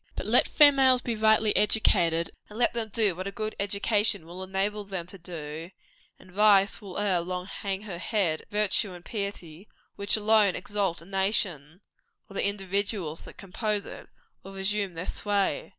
But let females be rightly educated, and let them do what a good education will enable them to do, and vice will ere long hang her head, and virtue and piety which alone exalt a nation, or the individuals that compose it will resume their sway.